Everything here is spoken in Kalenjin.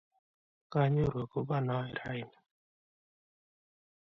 konyoru ak ko bo noe raini.